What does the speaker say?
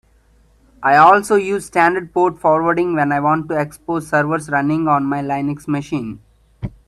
I also use standard port forwarding when I want to expose servers running on my Linux machine.